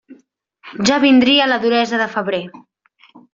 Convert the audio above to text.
Ja vindria la duresa de febrer.